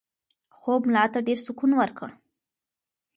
خوب ملا ته ډېر سکون ورکړ.